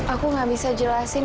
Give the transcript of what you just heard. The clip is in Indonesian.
aku enggak bisa jelasin